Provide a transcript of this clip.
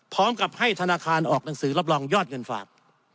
พร้อมกับให้ธนาคารออกหนังสือรับรองยอดเงินฝาก